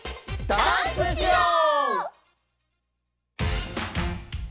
ダンスしよう！